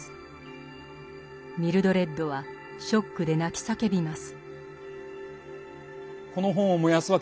ミルドレッドはショックで泣き叫びます。